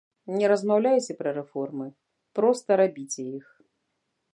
Не размаўляйце пра рэформы, проста рабіце іх.